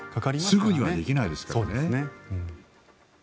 すぐにはできないですからね。